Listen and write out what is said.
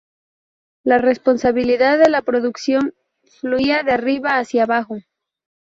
La responsabilidad de la producción fluía de arriba hacia abajo.